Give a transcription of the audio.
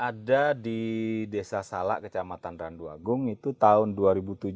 ada di desa salak kecamatan randuagung itu tahun dua ribu tujuh ada satu ranu yang berisi air